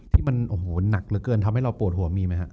ที่มันโอ้โหหนักเหลือเกินทำให้เราปวดหัวมีไหมฮะ